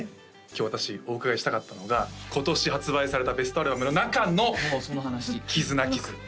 今日私お伺いしたかったのが今年発売されたベストアルバムの中のもうその話「絆傷」